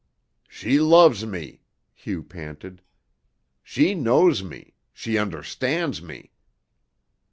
"She loves me," Hugh panted. "She knows me. She understands me."